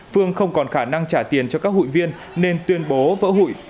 phương không còn khả năng trả tiền cho các hụi viên nên tuyên bố vỡ hủy